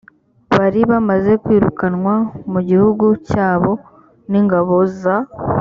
bari bamaze kwirukanwa mu gihugu cyabo n ingabo za